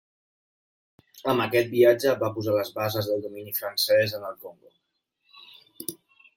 Amb aquest viatge, va posar les bases del domini francès en el Congo.